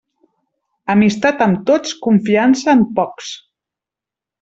Amistat amb tots, confiança en pocs.